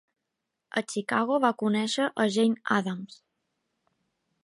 A Chicago va conèixer a Jane Addams.